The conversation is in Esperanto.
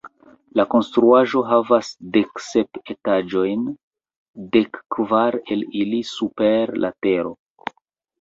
La konstruaĵo havas dek sep etaĝojn, dek kvar el ili super la tero.